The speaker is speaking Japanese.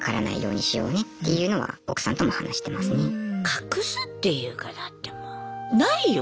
隠すっていうかだってもうないよ